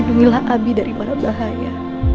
lindungilah abi dari warat bahaya